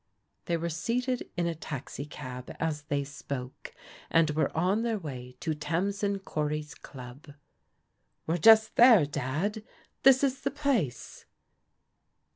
They were seated in a taxicab as they spoke, and were on their way to Tamsin Cory's club. " We're just there, Dad. This is the place."